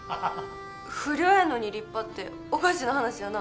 不良やのに立派っておかしな話やな。